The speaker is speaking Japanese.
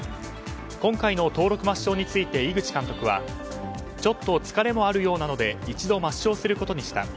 今回の登録抹消について井口監督はちょっと疲れもあるようなので一度抹消することにした。